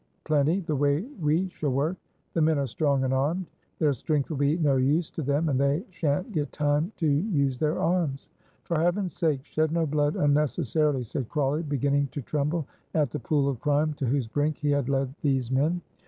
"Plenty, the way we shall work." "The men are strong and armed." "Their strength will be no use to them, and they shan't get time to use their arms." "For Heaven's sake, shed no blood unnecessarily," said Crawley, beginning to tremble at the pool of crime to whose brink he had led these men.